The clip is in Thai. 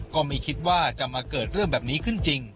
ก็ไม่คิดว่าจะมาเกิดเรื่องแบบนี้ขึ้นจริง